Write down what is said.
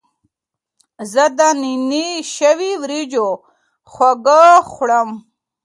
زه د نینې شوي وریجو خواږه خوړم.